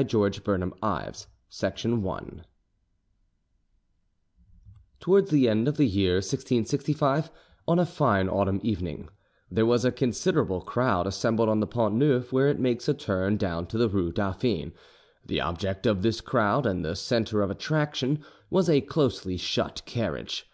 *THE MARQUISE DE BRINVILLIERS* Towards the end of the year 1665, on a fine autumn evening, there was a considerable crowd assembled on the Pont Neuf where it makes a turn down to the rue Dauphine. The object of this crowd and the centre of attraction was a closely shut, carriage.